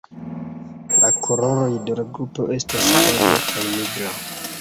La koloroj de la klubo estas flava kaj nigra.